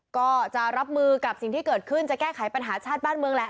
ก็จะรับมือกับสิ่งที่เกิดขึ้นจะแก้ไขปัญหาชาติบ้านเมืองแหละ